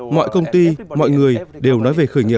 mọi công ty mọi người đều nói về khởi nghiệp